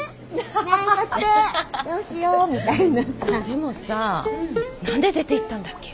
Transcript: でもさ何で出ていったんだっけ？